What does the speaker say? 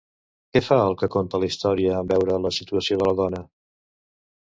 Què fa el que conta la història en veure la situació de la dona?